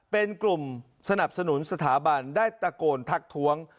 เป็นกลุ่มสนับสนุนสถาบันได้ตะโกนทักท้วง